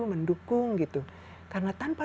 mendukung gitu karena tanpa